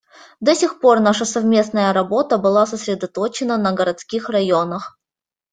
До сих пор наша совместная работа была сосредоточена на городских районах.